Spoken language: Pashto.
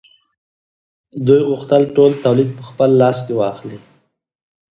دوی غوښتل ټول تولید په خپل لاس کې واخلي